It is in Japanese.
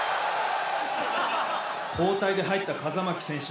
交代で入った風巻選手